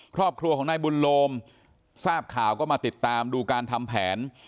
ครอบครัวของนายบุญโลมทราบข่าวก็มาติดตามดูการทำแผน